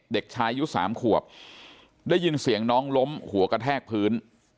เด็กชายอายุ๓ขวบได้ยินเสียงน้องล้มหัวกระแทกพื้น